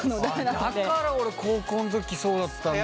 だから俺高校の時そうだったんだ。